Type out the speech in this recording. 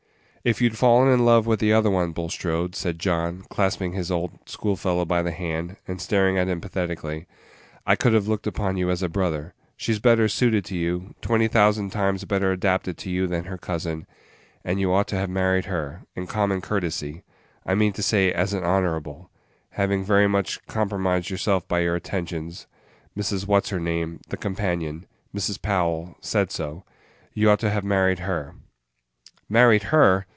"If you'd fallen in love with the other one, Bulstrode," said John, clasping his old school fellow by the hand, and staring at him pathetically, "I could have looked upon you as a brother; she's better suited to you, twenty thousand times better adapted to you than her cousin, and you ought to have married her in common courtesy I mean to say as an honorable having very much compromised yourself by your attentions Mrs. Whatshername the companion Mrs. Powell said so you ought to have married her." "Married her!